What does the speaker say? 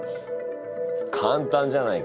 簡単じゃないか。